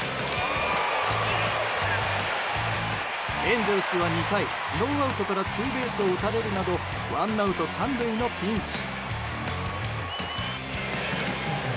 エンゼルスは２回ノーアウトからツーベースを打たれるなどワンアウト３塁のピンチ。